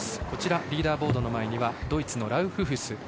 リーダーボードの前にはドイツのラウフフス。